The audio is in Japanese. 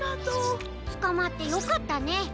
つかまってよかったね。